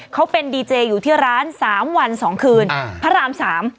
เขาเป็นดีเจอยู่ที่ร้านสามวันสองคืนพระรามสาม